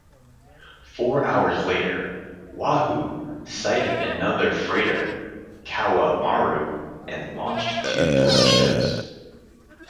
Four hours later, "Wahoo" sighted another freighter, "Kowa Maru", and launched two torpedoes.